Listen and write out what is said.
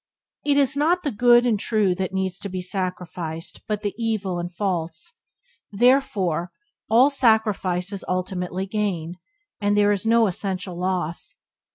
It is not the good and true that needs to be sacrificed but the evil and false; therefore all sacrifice is ultimately gain, and there is no essential loss.